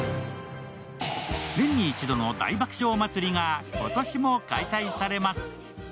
年に一度の大爆笑祭りが今年も開催されます。